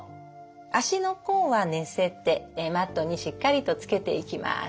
足の甲は寝せてマットにしっかりとつけていきます。